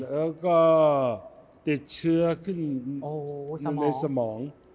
แล้วก็ติดเชื้อขึ้นในสมอง